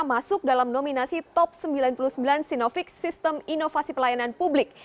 masuk dalam nominasi top sembilan puluh sembilan sinovic sistem inovasi pelayanan publik